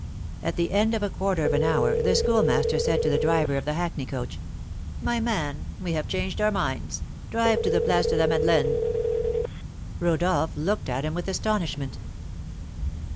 At the end of a quarter of an hour the Schoolmaster said to the driver of the hackney coach: "My man, we have changed our minds; drive to the Place de la Madelaine." Rodolph looked at him with astonishment.